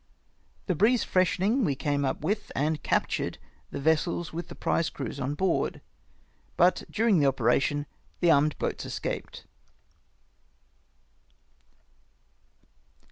The breeze freshening we came up with and recaptured the vessels with the prize crews on board, but during the operation the armed boats escaped.